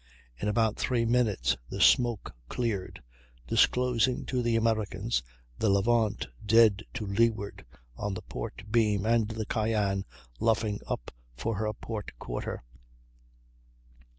In about three minutes the smoke cleared, disclosing to the Americans the Levant dead to leeward on the port beam, and the Cyane luffing up for their port quarter.